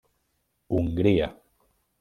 Hongria.